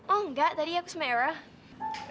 oh enggak tadi aku sama erah